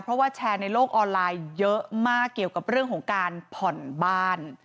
เพราะว่าแชร์ในโลกออนไลน์เยอะมากเกี่ยวกับเรื่องของการผ่อนบ้าน